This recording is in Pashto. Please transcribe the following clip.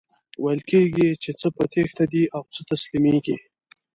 ویل کیږي چی څه په تیښته دي او څه تسلیمیږي.